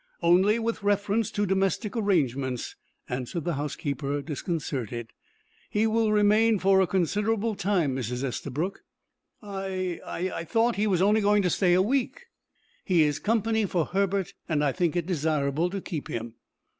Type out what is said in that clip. "Only with reference to domestic arrangements," answered the housekeeper, disconcerted. "He will remain for a considerable time, Mrs. Estabrook." "I I thought he was only going to stay a week." "He is company for Herbert, and I think it desirable to keep him."